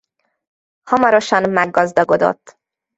Hamarosan meggazdagodott.